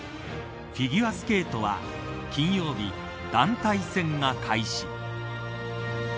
フィギュアスケートは金曜日団体戦が開始。